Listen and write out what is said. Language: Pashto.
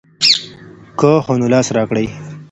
که هو نو لاس راکړئ.